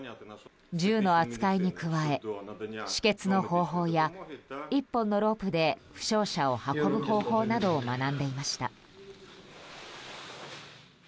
銃の扱いに加え、止血の方法や１本のロープで負傷者を運ぶ方法などを学んでいました。